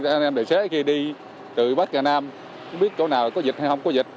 anh em tài xế khi đi từ bắc cà nam biết chỗ nào có dịch hay không có dịch